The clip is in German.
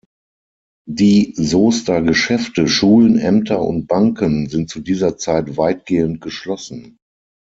Die Soester Geschäfte, Schulen, Ämter und Banken sind zu dieser Zeit weitgehend geschlossen.